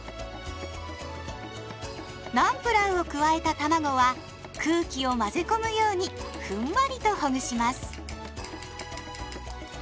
ナンプラーを加えたたまごは空気を混ぜ込むようにふんわりとほぐします。